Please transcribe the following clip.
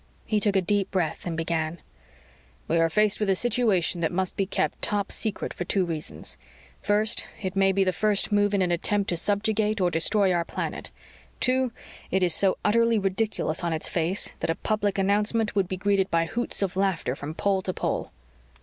He took a deep breath and began: "We are faced with a situation that must be kept top secret for two reasons: First, it may be the first move in an attempt to subjugate or destroy our planet; two, it is so utterly ridiculous on its face that a public announcement would be greeted by hoots of laughter from pole to pole."